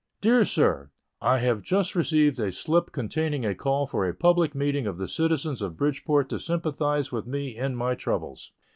Dear Sir: I have just received a slip containing a call for a public meeting of the citizens of Bridgeport to sympathize with me in my troubles.